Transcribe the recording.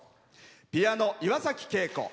ピアノ、岩崎恵子。